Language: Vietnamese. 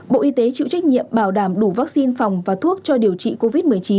bộ y tế chịu trách nhiệm bảo đảm đủ vaccine phòng và thuốc cho điều trị covid một mươi chín